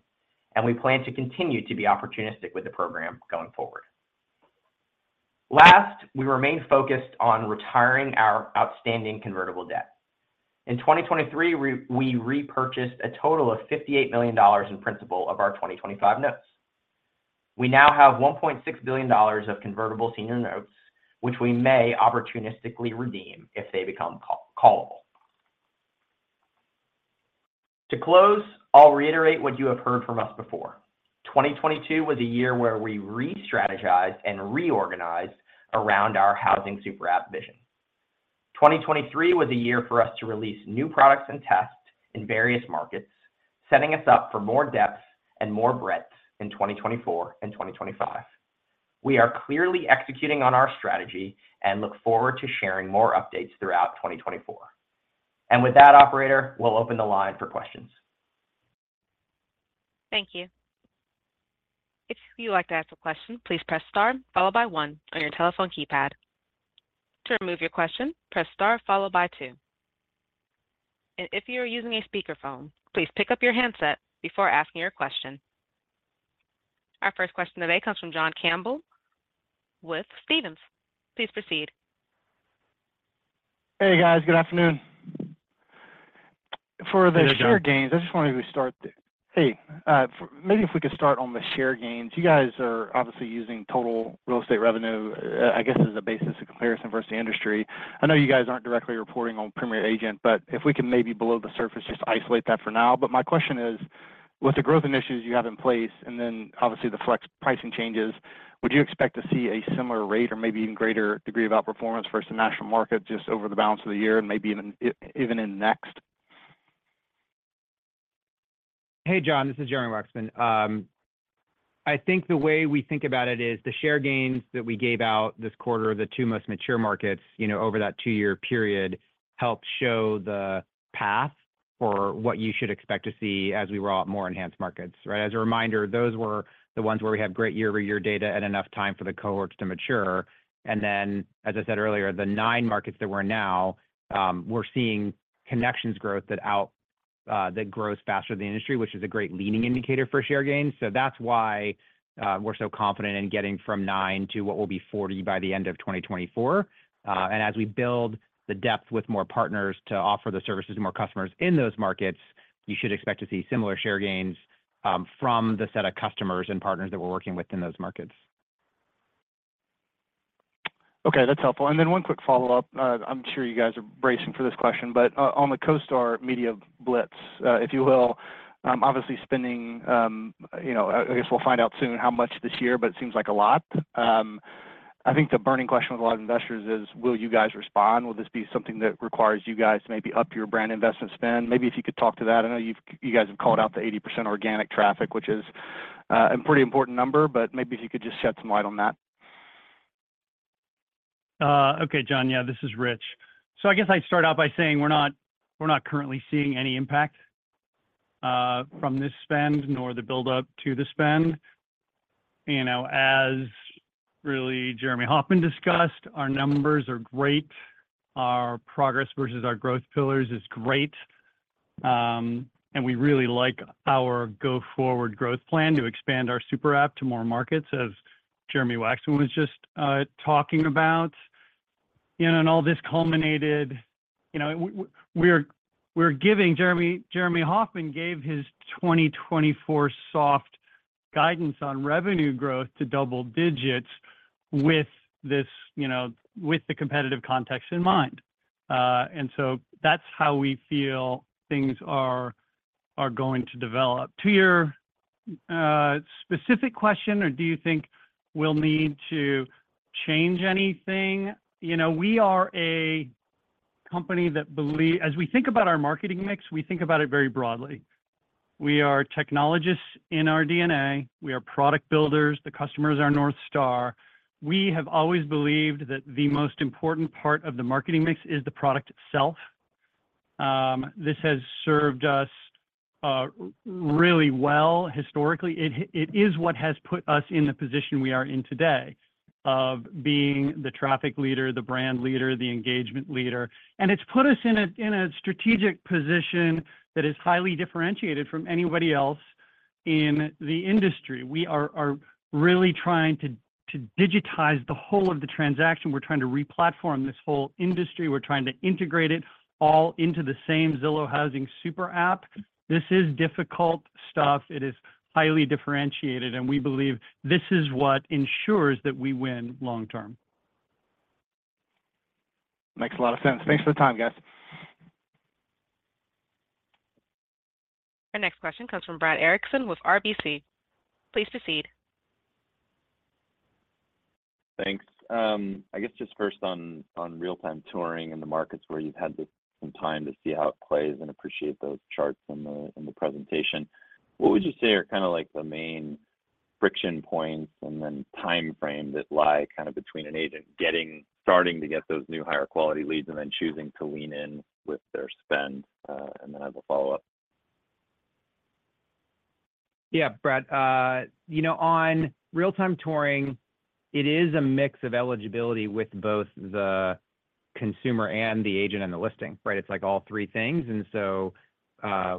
and we plan to continue to be opportunistic with the program going forward. Last, we remain focused on retiring our outstanding convertible debt. In 2023, we repurchased a total of $58 million in principal of our 2025 notes. We now have $1.6 billion of convertible senior notes, which we may opportunistically redeem if they become callable. To close, I'll reiterate what you have heard from us before. 2022 was a year where we restrategized and reorganized around our Housing Super App vision. 2023 was a year for us to release new products and tests in various markets, setting us up for more depth and more breadth in 2024 and 2025. We are clearly executing on our strategy and look forward to sharing more updates throughout 2024. With that, operator, we'll open the line for questions. Thank you. If you would like to ask a question, please press star followed by one on your telephone keypad. To remove your question, press star followed by two. And if you are using a speakerphone, please pick up your handset before asking your question. Our first question today comes from John Campbell with Stephens. Please proceed. Hey, guys. Good afternoon. For the- Hey, John. Share gains, I just wanted to start. Hey, maybe if we could start on the share gains. You guys are obviously using total real estate revenue, I guess, as a basis of comparison versus the industry. I know you guys aren't directly reporting on Premier Agent, but if we can maybe below the surface, just isolate that for now. But my question is: with the growth initiatives you have in place, and then obviously the flex pricing changes, would you expect to see a similar rate or maybe even greater degree of outperformance versus the national market just over the balance of the year and maybe even in next? Hey, John, this is Jeremy Hofmann. I think the way we think about it is the share gains that we gave out this quarter are the two most mature markets, you know, over that two-year period, helped show the path for what you should expect to see as we roll out more enhanced markets, right? As a reminder, those were the ones where we have great year-over-year data and enough time for the cohorts to mature. And then, as I said earlier, the nine markets that we're in now, we're seeing connections growth that out, that grows faster than the industry, which is a great leading indicator for share gains. So that's why, we're so confident in getting from nine to what will be 40 by the end of 2024. And as we build the depth with more partners to offer the services to more customers in those markets, you should expect to see similar share gains, from the set of customers and partners that we're working with in those markets. Okay, that's helpful. And then one quick follow-up. I'm sure you guys are bracing for this question, but on the CoStar media blitz, if you will, obviously spending, you know, I guess we'll find out soon how much this year, but it seems like a lot. I think the burning question with a lot of investors is, will you guys respond? Will this be something that requires you guys to maybe up your brand investment spend? Maybe if you could talk to that. I know you guys have called out the 80% organic traffic, which is a pretty important number, but maybe if you could just shed some light on that. Okay, John. Yeah, this is Rich. So I guess I'd start out by saying we're not, we're not currently seeing any impact from this spend nor the buildup to the spend. You know, as really Jeremy Hofmann discussed, our numbers are great-... our progress versus our growth pillars is great, and we really like our go-forward growth plan to expand our super app to more markets, as Jeremy Wacksman was just talking about. You know, and all this culminated, you know, we're giving Jeremy Hofmann gave his 2024 soft guidance on revenue growth to double digits with this, you know, with the competitive context in mind. And so that's how we feel things are going to develop. To your specific question, or do you think we'll need to change anything? You know, we are a company that believe as we think about our marketing mix, we think about it very broadly. We are technologists in our DNA. We are product builders. The customer is our North Star. We have always believed that the most important part of the marketing mix is the product itself. This has served us really well historically. It is what has put us in the position we are in today, of being the traffic leader, the brand leader, the engagement leader, and it's put us in a strategic position that is highly differentiated from anybody else in the industry. We are really trying to digitize the whole of the transaction. We're trying to re-platform this whole industry. We're trying to integrate it all into the same Zillow Housing Super App. This is difficult stuff. It is highly differentiated, and we believe this is what ensures that we win long term. Makes a lot of sense. Thanks for the time, guys. Our next question comes from Brad Erickson with RBC. Please proceed. Thanks. I guess just first on Real-Time Touring and the markets where you've had some time to see how it plays and appreciate those charts in the presentation. What would you say are kind of like the main friction points and then timeframe that lie kind of between an agent starting to get those new, higher quality leads and then choosing to lean in with their spend? And then I have a follow-up. Yeah, Brad, you know, on Real-Time Touring, it is a mix of eligibility with both the consumer and the agent and the listing, right? It's like all three things, and so,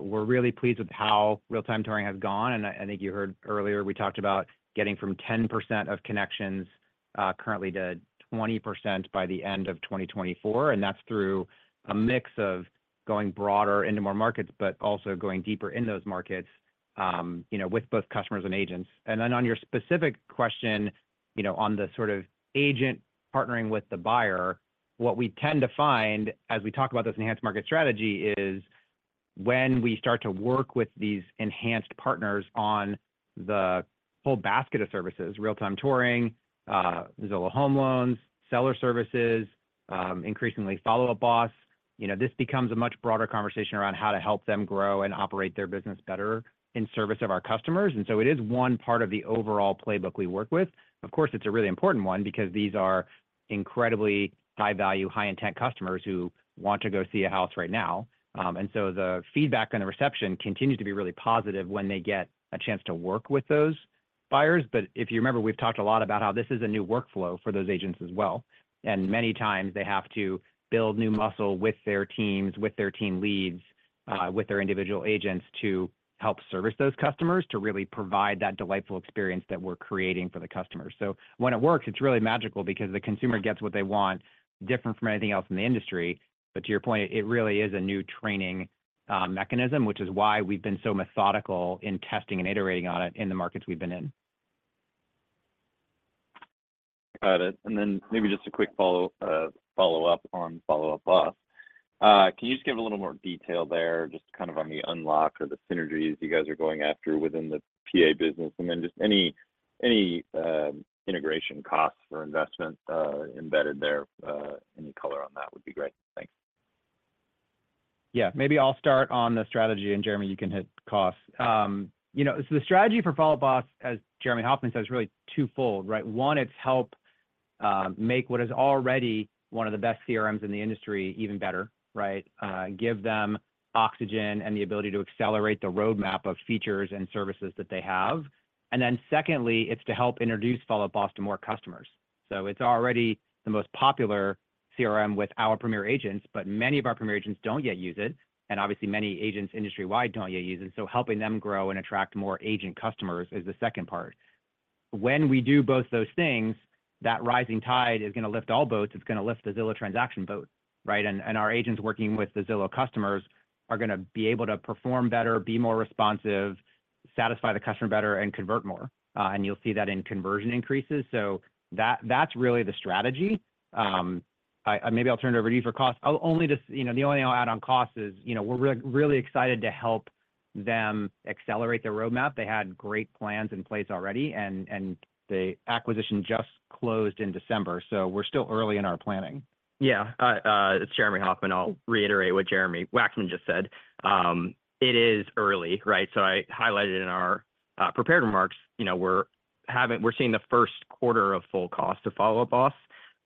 we're really pleased with how Real-Time Touring has gone, and I think you heard earlier, we talked about getting from 10% of Connections currently to 20% by the end of 2024, and that's through a mix of going broader into more markets, but also going deeper in those markets, you know, with both customers and agents. And then, on your specific question, you know, on the sort of agent partnering with the buyer, what we tend to find as we talk about this enhanced market strategy is when we start to work with these enhanced partners on the whole basket of services, Real-Time Touring, Zillow Home Loans, seller services, increasingly Follow Up Boss, you know, this becomes a much broader conversation around how to help them grow and operate their business better in service of our customers. And so it is one part of the overall playbook we work with. Of course, it's a really important one because these are incredibly high-value, high-intent customers who want to go see a house right now. And so the feedback and the reception continues to be really positive when they get a chance to work with those buyers. But if you remember, we've talked a lot about how this is a new workflow for those agents as well, and many times they have to build new muscle with their teams, with their team leads, with their individual agents to help service those customers, to really provide that delightful experience that we're creating for the customers. So when it works, it's really magical because the consumer gets what they want, different from anything else in the industry. But to your point, it really is a new training mechanism, which is why we've been so methodical in testing and iterating on it in the markets we've been in. Got it. And then maybe just a quick follow-up on Follow Up Boss. Can you just give a little more detail there, just kind of on the unlock or the synergies you guys are going after within the PA business, and then just any integration costs or investments embedded there? Any color on that would be great. Thanks. Yeah. Maybe I'll start on the strategy, and Jeremy, you can hit costs. You know, so the strategy for Follow Up Boss, as Jeremy Hofmann says, really twofold, right? One, it's helped make what is already one of the best CRMs in the industry even better, right? Give them oxygen and the ability to accelerate the roadmap of features and services that they have. And then secondly, it's to help introduce Follow Up Boss to more customers. So it's already the most popular CRM with our Premier agents, but many of our Premier agents don't yet use it, and obviously, many agents industry-wide don't yet use it. So helping them grow and attract more agent customers is the second part. When we do both those things, that rising tide is gonna lift all boats. It's gonna lift the Zillow transaction boat, right? Our agents working with the Zillow customers are gonna be able to perform better, be more responsive, satisfy the customer better, and convert more, and you'll see that in conversion increases. So that's really the strategy. Maybe I'll turn it over to you for costs. I'll only just... You know, the only thing I'll add on costs is, you know, we're really excited to help them accelerate their roadmap. They had great plans in place already, and the acquisition just closed in December, so we're still early in our planning. Yeah, it's Jeremy Hofmann. I'll reiterate what Jeremy Wacksman just said. It is early, right? So I highlighted in our prepared remarks, you know, we're having- we're seeing the first quarter of full cost of Follow Up Boss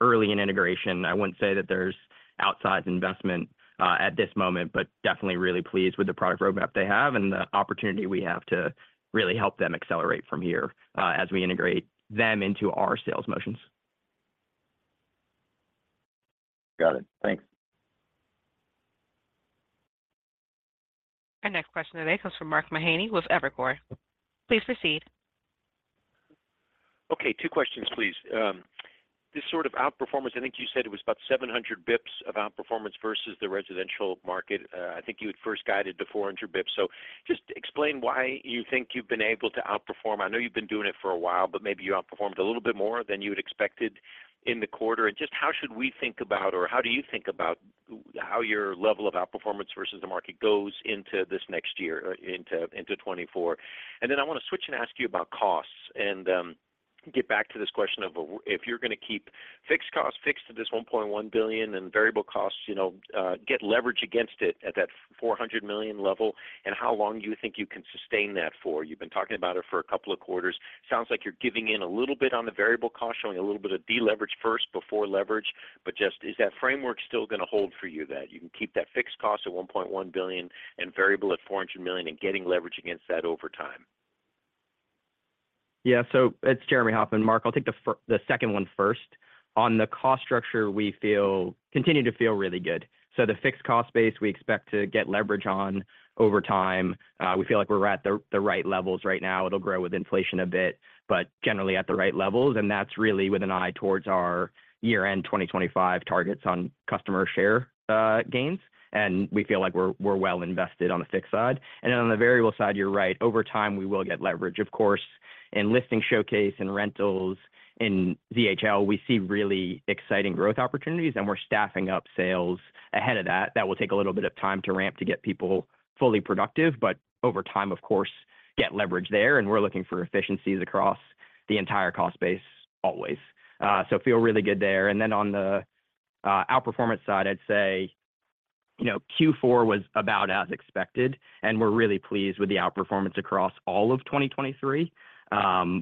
early in integration. I wouldn't say that there's outsized investment at this moment, but definitely really pleased with the product roadmap they have and the opportunity we have to really help them accelerate from here as we integrate them into our sales motions. Got it. Thanks.... Our next question today comes from Mark Mahaney with Evercore. Please proceed. Okay, two questions, please. This sort of outperformance, I think you said it was about 700 basis points of outperformance versus the residential market. I think you had first guided the 400 basis points. So just explain why you think you've been able to outperform. I know you've been doing it for a while, but maybe you outperformed a little bit more than you had expected in the quarter. And just how should we think about, or how do you think about how your level of outperformance versus the market goes into this next year, or into, into 2024? And then I want to switch and ask you about costs and, get back to this question of if you're going to keep fixed costs fixed to this $1.1 billion and variable costs, you know, get leverage against it at that $400 million level, and how long do you think you can sustain that for? You've been talking about it for a couple of quarters. Sounds like you're giving in a little bit on the variable cost, showing a little bit of deleverage first before leverage. But just, is that framework still going to hold for you, that you can keep that fixed cost at $1.1 billion and variable at $400 million and getting leverage against that over time? Yeah. So it's Jeremy Hofmann. Mark, I'll take the first- the second one first. On the cost structure, we feel, continue to feel really good. So the fixed cost base, we expect to get leverage on over time. We feel like we're at the right levels right now. It'll grow with inflation a bit, but generally at the right levels, and that's really with an eye towards our year-end 2025 targets on customer share gains. And we feel like we're well invested on the fixed side. And then on the variable side, you're right. Over time, we will get leverage, of course, in Listing Showcase and rentals. In ZHL, we see really exciting growth opportunities, and we're staffing up sales ahead of that. That will take a little bit of time to ramp to get people fully productive, but over time, of course, get leverage there, and we're looking for efficiencies across the entire cost base, always. So feel really good there. And then on the outperformance side, I'd say, you know, Q4 was about as expected, and we're really pleased with the outperformance across all of 2023.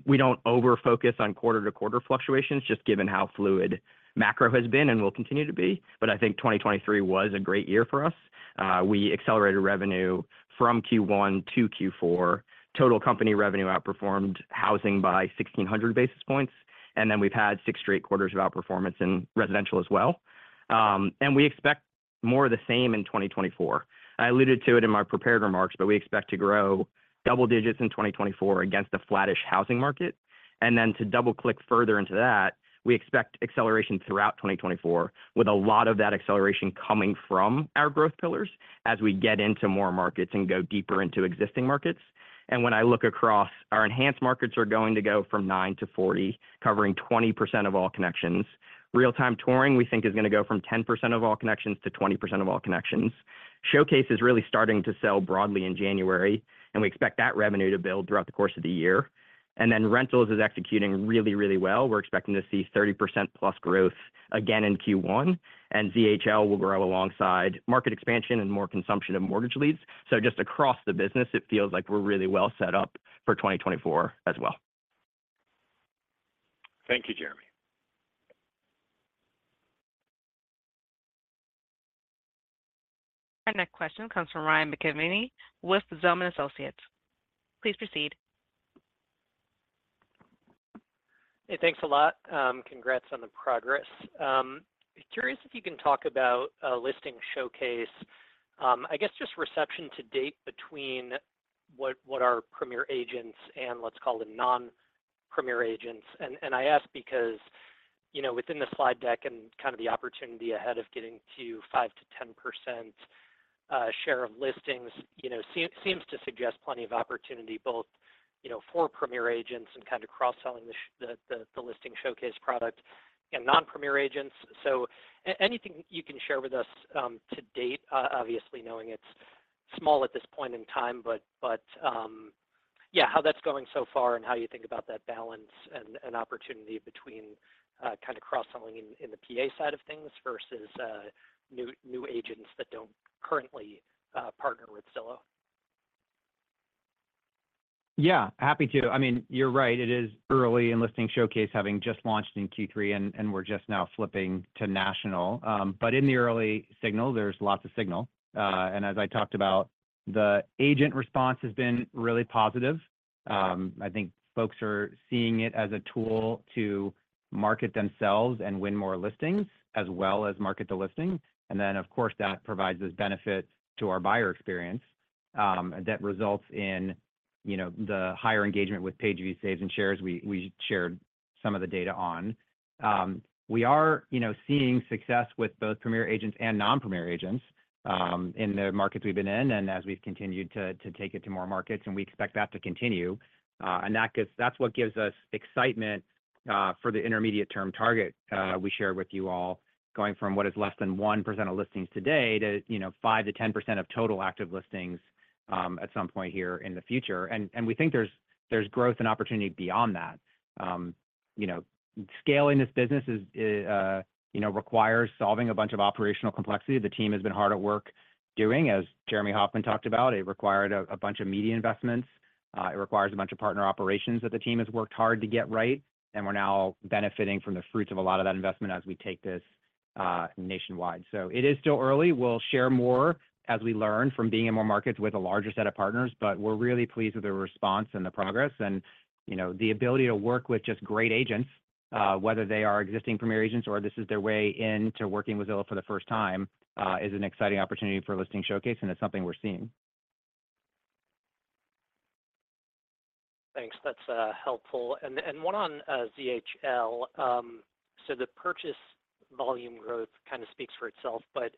We don't overfocus on quarter-to-quarter fluctuations, just given how fluid macro has been and will continue to be, but I think 2023 was a great year for us. We accelerated revenue from Q1 to Q4. Total company revenue outperformed housing by 1600 basis points, and then we've had six straight quarters of outperformance in residential as well. And we expect more of the same in 2024. I alluded to it in my prepared remarks, but we expect to grow double digits in 2024 against a flattish housing market. And then to double-click further into that, we expect acceleration throughout 2024, with a lot of that acceleration coming from our growth pillars as we get into more markets and go deeper into existing markets. And when I look across, our enhanced markets are going to go from 9 to 40, covering 20% of all connections. Real-time touring, we think, is going to go from 10% of all connections to 20% of all connections. Showcase is really starting to sell broadly in January, and we expect that revenue to build throughout the course of the year. And then rentals is executing really, really well. We're expecting to see 30%+ growth again in Q1, and ZHL will grow alongside market expansion and more consumption of mortgage leads. So just across the business, it feels like we're really well set up for 2024 as well. Thank you, Jeremy. Our next question comes from Ryan McMenamin with Zelman & Associates. Please proceed. Hey, thanks a lot. Congrats on the progress. Curious if you can talk about Listing Showcase. I guess just reception to date between our Premier Agents and let's call it non-Premier Agents. And I ask because, you know, within the slide deck and kind of the opportunity ahead of getting to 5%-10% share of listings, you know, seems to suggest plenty of opportunity, both, you know, for Premier Agents and kind of cross-selling the Listing Showcase product and non-Premier Agents. So anything you can share with us to date, obviously knowing it's small at this point in time, how that's going so far and how you think about that balance and opportunity between kind of cross-selling in the PA side of things versus new agents that don't currently partner with Zillow? Yeah, happy to. I mean, you're right, it is early in Listing Showcase, having just launched in Q3, and we're just now flipping to national. But in the early signal, there's lots of signal. And as I talked about, the agent response has been really positive. I think folks are seeing it as a tool to market themselves and win more listings, as well as market the listing. And then, of course, that provides this benefit to our buyer experience, and that results in, you know, the higher engagement with page view saves and shares, we shared some of the data on. We are, you know, seeing success with both Premier agents and non-Premier agents, in the markets we've been in and as we've continued to take it to more markets, and we expect that to continue. that gives us excitement, that's what gives us excitement for the intermediate-term target we shared with you all, going from what is less than 1% of listings today to, you know, 5%-10% of total active listings at some point here in the future. And we think there's growth and opportunity beyond that. You know, scaling this business is, you know, requires solving a bunch of operational complexity. The team has been hard at work doing, as Jeremy Hofmann talked about, it required a bunch of media investments. It requires a bunch of partner operations that the team has worked hard to get right, and we're now benefiting from the fruits of a lot of that investment as we take this nationwide. So it is still early. We'll share more as we learn from being in more markets with a larger set of partners, but we're really pleased with the response and the progress and, you know, the ability to work with just great agents. Whether they are existing Premier agents or this is their way into working with Zillow for the first time, is an exciting opportunity for Listing Showcase, and it's something we're seeing. Thanks. That's helpful. And one on ZHL. So the purchase volume growth kind of speaks for itself, but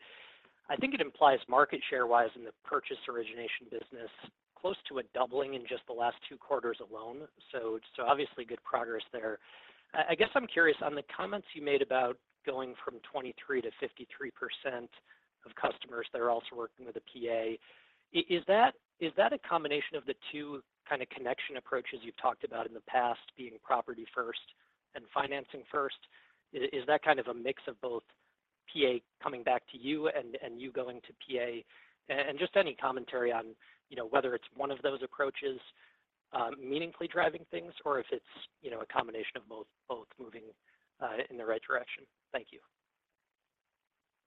I think it implies market share-wise in the purchase origination business, close to a doubling in just the last two quarters alone. So obviously, good progress there. I guess I'm curious, on the comments you made about going from 23%-53% of customers that are also working with a PA, is that - is that a combination of the two kind of connection approaches you've talked about in the past, being property first and financing first? Is that kind of a mix of both PA coming back to you and you going to PA? Just any commentary on, you know, whether it's one of those approaches meaningfully driving things or if it's, you know, a combination of both, both moving in the right direction. Thank you.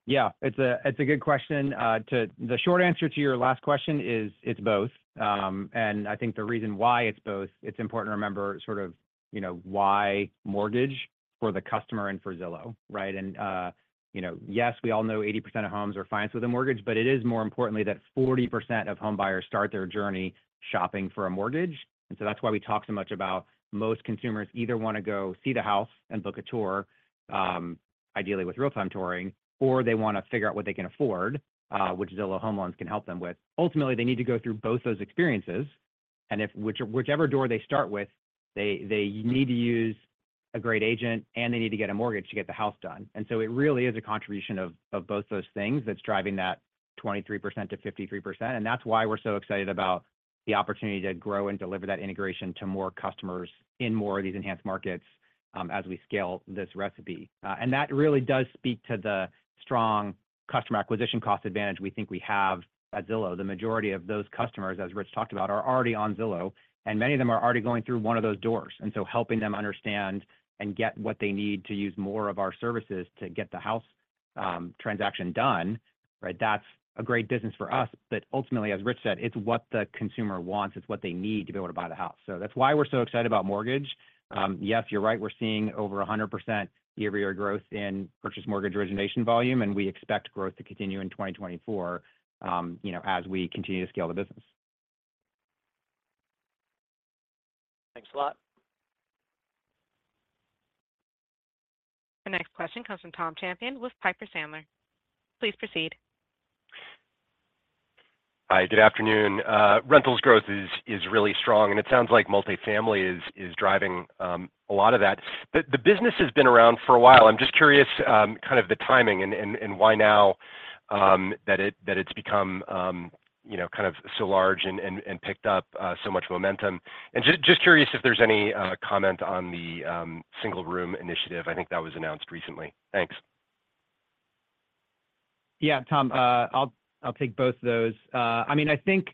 Yeah, it's a good question. The short answer to your last question is, it's both. And I think the reason why it's both, it's important to remember sort of, you know, why mortgage for the customer and for Zillow, right? And, you know, yes, we all know 80% of homes are financed with a mortgage, but it is more importantly, that 40% of home buyers start their journey shopping for a mortgage. And so that's why we talk so much about most consumers either wanna go see the house and book a tour, ideally with Real-Time Touring, or they want to figure out what they can afford, which Zillow Home Loans can help them with. Ultimately, they need to go through both those experiences, and whichever door they start with, they need to use a great agent, and they need to get a mortgage to get the house done. And so it really is a contribution of both those things that's driving that 23%-53%, and that's why we're so excited about the opportunity to grow and deliver that integration to more customers in more of these Enhanced Markets as we scale this recipe. And that really does speak to the strong customer acquisition cost advantage we think we have at Zillow. The majority of those customers, as Rich talked about, are already on Zillow, and many of them are already going through one of those doors. And so helping them understand and get what they need to use more of our services to get the house transaction done, right? That's a great business for us. But ultimately, as Rich said, it's what the consumer wants. It's what they need to be able to buy the house. So that's why we're so excited about mortgage. Yes, you're right, we're seeing over 100% year-over-year growth in purchase mortgage origination volume, and we expect growth to continue in 2024, you know, as we continue to scale the business. Thanks a lot. The next question comes from Tom Champion with Piper Sandler. Please proceed. Hi, good afternoon. Rentals growth is really strong, and it sounds like multifamily is driving a lot of that. But the business has been around for a while. I'm just curious kind of the timing and why now that it's become you know kind of so large and picked up so much momentum? And just curious if there's any comment on the single-room initiative. I think that was announced recently. Thanks. Yeah, Tom, I'll, I'll take both of those. I mean, I think,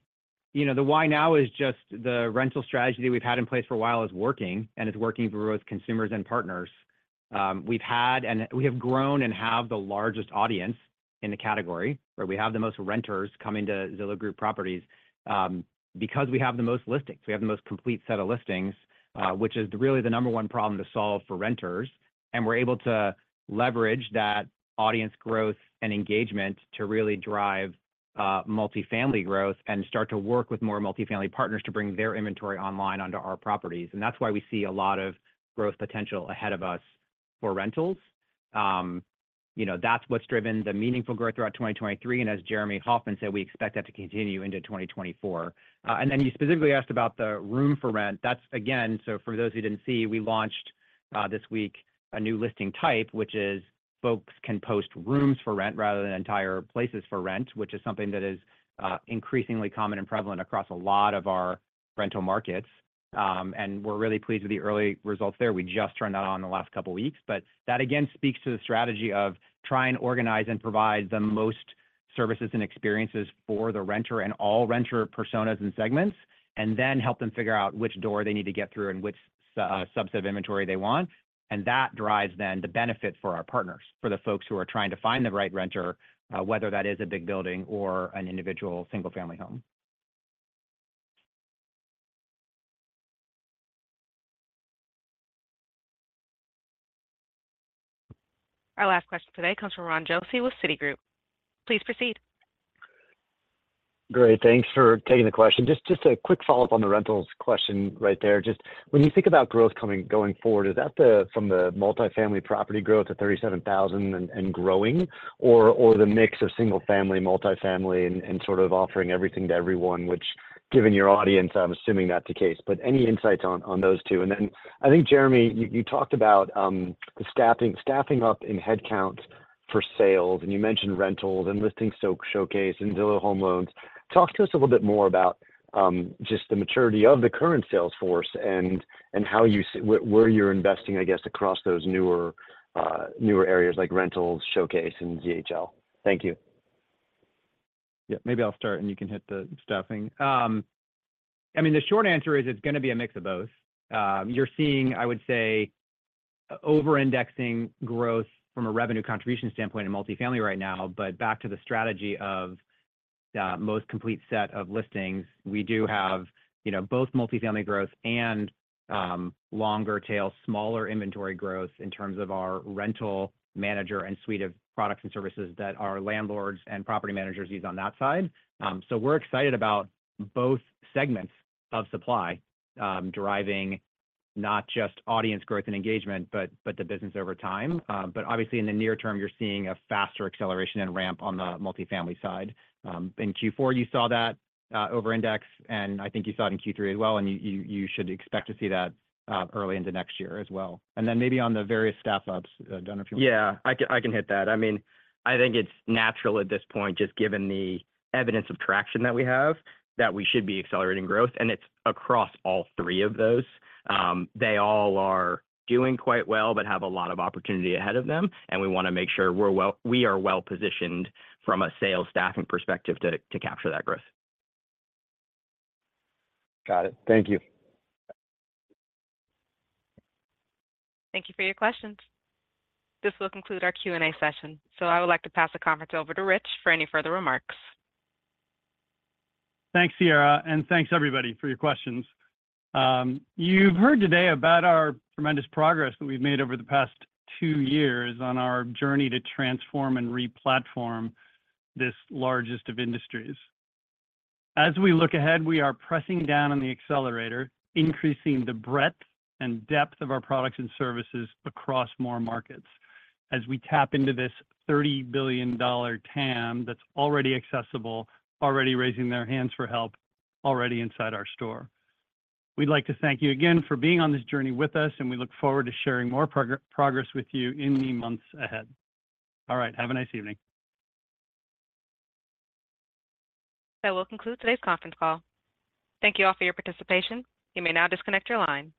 you know, the why now is just the rental strategy we've had in place for a while is working, and it's working for both consumers and partners. We've had, and we have grown and have the largest audience in the category, where we have the most renters coming to Zillow Group properties, because we have the most listings. We have the most complete set of listings, which is really the number one problem to solve for renters, and we're able to leverage that audience growth and engagement to really drive, multifamily growth and start to work with more multifamily partners to bring their inventory online onto our properties. And that's why we see a lot of growth potential ahead of us for rentals. You know, that's what's driven the meaningful growth throughout 2023, and as Jeremy Hofmann said, we expect that to continue into 2024. And then you specifically asked about the room for rent. That's again. So for those who didn't see, we launched this week a new listing type, which is, folks can post rooms for rent rather than entire places for rent, which is something that is increasingly common and prevalent across a lot of our rental markets. And we're really pleased with the early results there. We just turned that on in the last couple of weeks, but that, again, speaks to the strategy of try and organize and provide the most services and experiences for the renter and all renter personas and segments, and then help them figure out which door they need to get through and which subset of inventory they want. And that drives then the benefit for our partners, for the folks who are trying to find the right renter, whether that is a big building or an individual single-family home. Our last question today comes from Ronald Josey with Citigroup. Please proceed. Great. Thanks for taking the question. Just a quick follow-up on the rentals question right there. Just when you think about growth going forward, is that from the multifamily property growth to 37,000 and growing or the mix of single family, multifamily and sort of offering everything to everyone, which, given your audience, I'm assuming that's the case, but any insights on those two? And then I think, Jeremy, you talked about the staffing up in headcount for sales, and you mentioned rentals and Listing Showcase and Zillow Home Loans. Talk to us a little bit more about just the maturity of the current sales force and how you see where you're investing, I guess, across those newer areas like Rentals, Showcase, and ZHL. Thank you. Yeah, maybe I'll start, and you can hit the staffing. I mean, the short answer is it's gonna be a mix of both. You're seeing, I would say, overindexing growth from a revenue contribution standpoint in multifamily right now, but back to the strategy of the most complete set of listings. We do have, you know, both multifamily growth and longer tail, smaller inventory growth in terms of our rental manager and suite of products and services that our landlords and property managers use on that side. So we're excited about both segments of supply driving not just audience growth and engagement, but the business over time. But obviously, in the near term, you're seeing a faster acceleration and ramp on the multifamily side. In Q4, you saw that over index, and I think you saw it in Q3 as well, and you should expect to see that early into next year as well. And then maybe on the various staff ups, Don, if you. Yeah, I can, I can hit that. I mean, I think it's natural at this point, just given the evidence of traction that we have, that we should be accelerating growth, and it's across all three of those. They all are doing quite well but have a lot of opportunity ahead of them, and we wanna make sure we are well-positioned from a sales staffing perspective to capture that growth. Got it. Thank you. Thank you for your questions. This will conclude our Q&A session, so I would like to pass the conference over to Rich for any further remarks. Thanks, Sierra, and thanks everybody for your questions. You've heard today about our tremendous progress that we've made over the past two years on our journey to transform and re-platform this largest of industries. As we look ahead, we are pressing down on the accelerator, increasing the breadth and depth of our products and services across more markets. As we tap into this $30 billion TAM that's already accessible, already raising their hands for help, already inside our store. We'd like to thank you again for being on this journey with us, and we look forward to sharing more progress with you in the months ahead. All right, have a nice evening. That will conclude today's conference call. Thank you all for your participation. You may now disconnect your line.